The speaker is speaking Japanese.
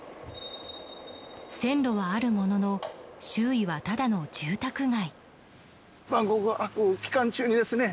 線路はあるものの周囲は、ただの住宅街。